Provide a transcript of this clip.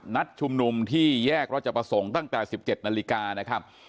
นัดชุมนุมที่แยกราชประสงค์ตั้งแต่๑๗นาฬิกานะครับ